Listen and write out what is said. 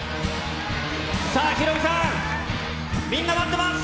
さあ、ヒロミさん、みんな待ってます。